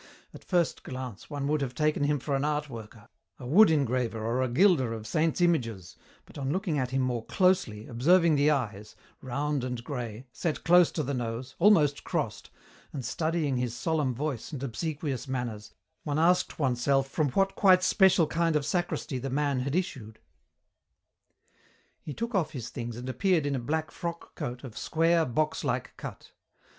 At first glance one would have taken him for an art worker, a wood engraver or a glider of saints' images, but on looking at him more closely, observing the eyes, round and grey, set close to the nose, almost crossed, and studying his solemn voice and obsequious manners, one asked oneself from what quite special kind of sacristy the man had issued. He took off his things and appeared in a black frock coat of square, boxlike cut.